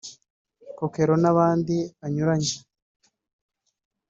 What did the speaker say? conqueror n’andi anyuranye